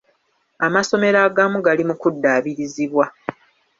Amasomero agamu gali mu kuddaabirizibwa.